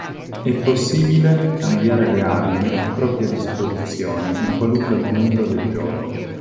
È possibile cambiare le armi a propria disposizione in qualunque momento del gioco.